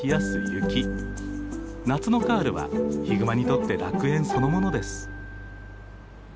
夏のカールはヒグマにとって楽園そのものです。